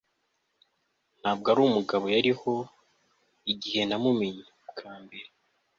Ntabwo arumugabo yariho igihe namumenye bwa mbere